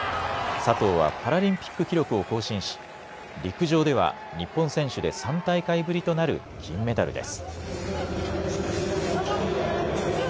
佐藤はパラリンピック記録を更新し陸上では、日本選手で３大会ぶりとなる金メダルです。